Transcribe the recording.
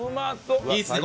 いいですね